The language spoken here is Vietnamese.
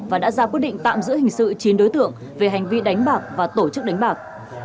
và đã ra quyết định tạm giữ hình sự chín đối tượng về hành vi đánh bạc và tổ chức đánh bạc